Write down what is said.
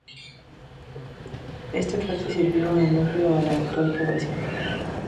Este fuerte sirvió de núcleo a la actual población.